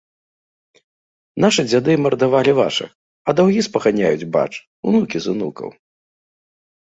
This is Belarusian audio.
Нашы дзяды мардавалі вашых, а даўгі спаганяюць, бач, унукі з унукаў.